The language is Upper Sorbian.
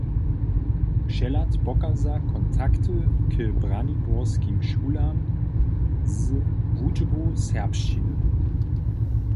Přehlad pokaza kontakty k braniborskim šulam z wučbu serbšćiny.